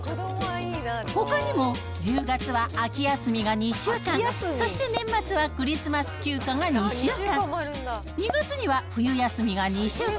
ほかにも１０月は秋休みが２週間、そして年末はクリスマス休暇が２週間、２月には冬休みが２週間。